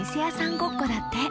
ごっこだって！